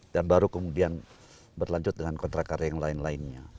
dan baru kemudian berlanjut dengan kontrak karya yang lain lainnya